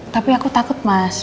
tapi aku takut mas